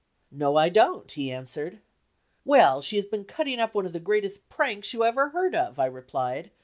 "No, I don't," he answered. "Well, she has been cutting up one of the greatest pranks you ever heard of," I replied.